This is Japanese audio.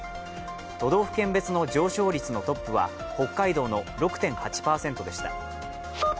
都道府県別の上昇率のトップは北海道の６．８％でした。